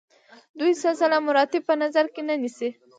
دوی سلسله مراتب په نظر کې نه نیسي.